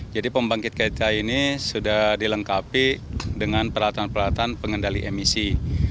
jadi pembangkit kta ini sudah dilengkapi dengan peralatan peralatan pengendali emisi